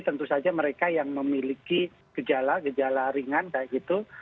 tentu saja mereka yang memiliki gejala gejala ringan kayak gitu